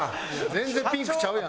全然ピンクちゃうやん。